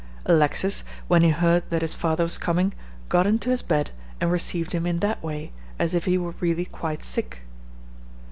Alexis, when he heard that his father was coming, got into his bed, and received him in that way, as if he were really quite sick.